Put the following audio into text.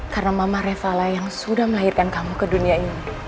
karena mama revala yang sudah melahirkan kamu ke dunia ini